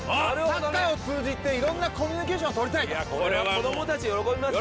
サッカーを通じていろんなコミュニケーションを取りたいとこれは子どもたち喜びますよ